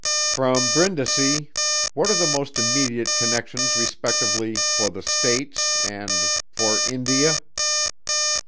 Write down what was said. "From Brindisi what are the most immediate connections respectively for the States and for India."